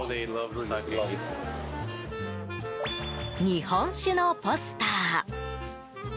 日本酒のポスター。